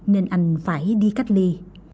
nên anh phải đi cách ly